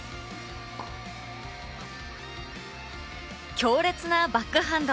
強烈なバックハンド。